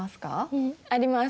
うん。あります。